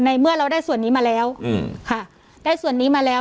เมื่อเราได้ส่วนนี้มาแล้วอืมค่ะได้ส่วนนี้มาแล้ว